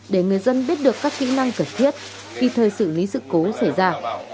để người dân biết được các kỹ năng cần thiết kịp thời xử lý sự cố xảy ra